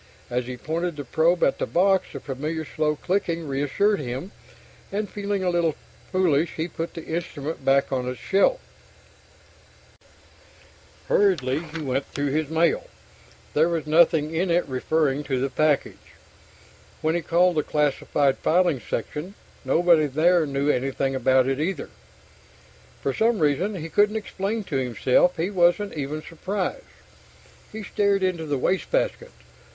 As he pointed the probe at the box the familiar slow clicking reassured him, and feeling a little foolish he put the instrument back on its shelf. [Illustration: In his pressurized chamber, Forster read the startling message.] Hurriedly, he went through his mail; there was nothing in it referring to the package. Then he called the classified filing section; nobody there knew anything about it either. For some reason he couldn't explain to himself, he wasn't even surprised. He stared into the wastebasket.